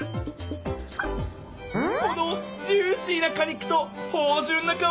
このジューシーなか肉とほうじゅんなかおり